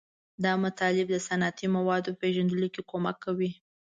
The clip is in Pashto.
دا مطالب د صنعتي موادو په پیژندلو کې کومک کوي.